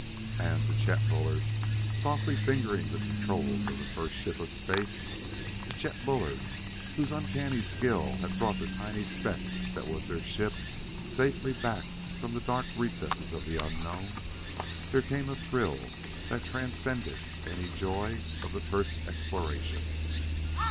And, to Chet Bullard, softly fingering the controls of the first ship of space to Chet Bullard, whose uncanny skill had brought the tiny speck that was their ship safely back from the dark recesses of the unknown there came a thrill that transcended any joy of the first exploration.